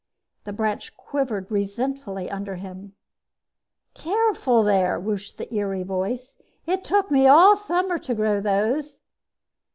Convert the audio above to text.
The branch quivered resentfully under him. "Careful, there!" whooshed the eerie voice. "It took me all summer to grow those!"